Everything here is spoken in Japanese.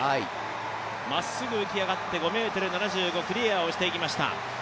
まっすぐ浮き上がって、５ｍ７５、クリアしていきました。